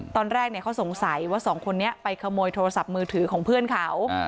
ตอนแรกเขาสงสัยว่าสองคนนี้ไปขโมยโทรศัพท์มือถือของเพื่อนเขา